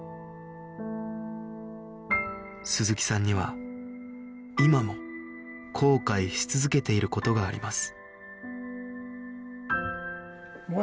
鈴木さんには今も後悔し続けている事があります